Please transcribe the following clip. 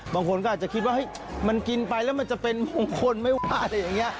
บางคนก็อาจจะคิดว่ามันกินไปแล้วมันจะเป็นมงคลไม่ว่าอะไรอย่างนี้